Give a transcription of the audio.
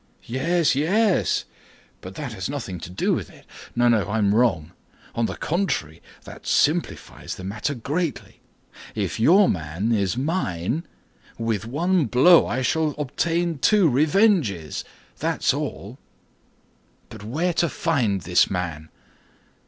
"Yes, yes; but that has nothing to do with it. No, I am wrong. On the contrary, that simplifies the matter greatly. If your man is mine, with one blow I shall obtain two revenges, that's all; but where to find this man?"